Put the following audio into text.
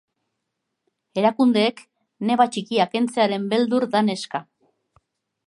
Erakundeek neba txikia kentzearen beldur da neska.